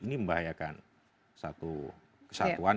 ini membahayakan satu kesatuan